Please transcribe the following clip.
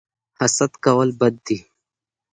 حسد کول بد دي